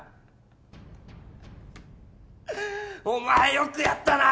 お前よくやったな！